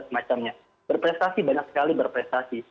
semacamnya berprestasi banyak sekali berprestasi